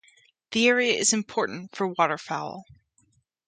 The area is important for waterfowl.